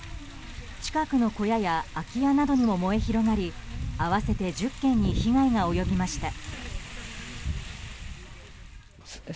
近くの小屋や空き家などにも燃え広がり合わせて１０軒に被害が及びました。